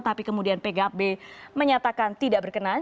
tapi kemudian pkb menyatakan tidak berkenan